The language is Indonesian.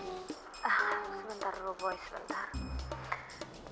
sebentar dulu boy sebentar